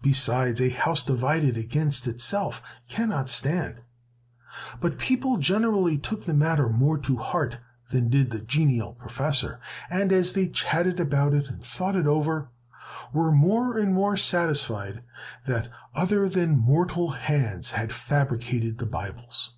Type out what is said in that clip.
Besides, a house divided against itself cannot stand." But people generally took the matter more to heart than did the genial professor, and, as they chatted about it and thought it over, were more and more satisfied that other than mortal hands had fabricated the Bibles.